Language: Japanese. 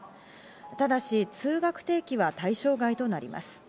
ただし通学定期は対象外となります。